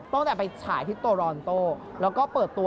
ตั้งแต่ไปฉายที่โตรอนโต้แล้วก็เปิดตัว